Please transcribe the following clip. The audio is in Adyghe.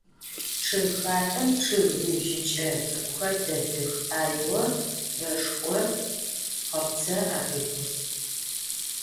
Ççıgxatem ççıg nıbjıç'e ts'ık'uxeri detıx: ayo, deşşxo, xhırtse, abrikos.